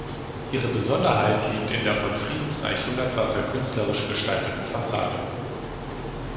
Ihre Besonderheit liegt in der von Friedensreich Hundertwasser künstlerisch gestalteten Fassade.